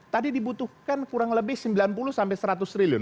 tadi dibutuhkan kurang lebih sembilan puluh sampai seratus triliun